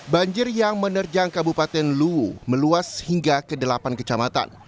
banjir yang menerjang kabupaten luwu meluas hingga ke delapan kecamatan